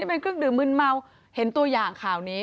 เป็นเครื่องดื่มมืนเมาเห็นตัวอย่างข่าวนี้